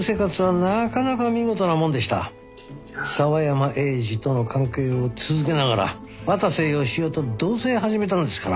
沢山栄次との関係を続けながら渡瀬義雄と同棲を始めたんですから。